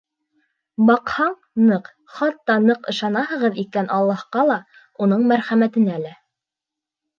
Баҡһаң, ныҡ, хатта ныҡ ышанаһығыҙ икән Аллаһҡа ла, уның мәрхәмәтенә лә.